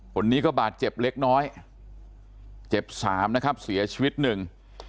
คนนี้ก็บาดเจ็บเล็กน้อยเจ็บสามนะครับเสียชีวิตหนึ่ง